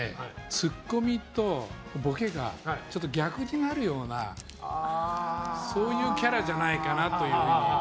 ツッコミとボケがちょっと逆になるようなそういうキャラじゃないかなと。